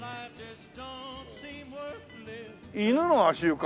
犬の足湯か。